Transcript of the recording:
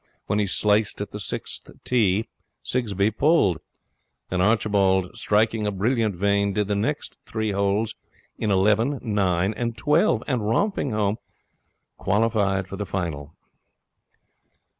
When he sliced at the sixth tee, Sigsbee pulled. And Archibald, striking a brilliant vein, did the next three holes in eleven, nine, and twelve; and, romping home, qualified for the final.